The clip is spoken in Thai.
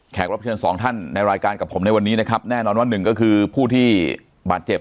รับเชิญสองท่านในรายการกับผมในวันนี้นะครับแน่นอนว่าหนึ่งก็คือผู้ที่บาดเจ็บ